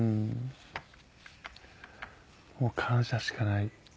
もう感謝しかない。